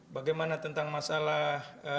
bagaimana tentang masalah